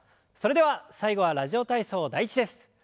それでは最後は「ラジオ体操第１」です。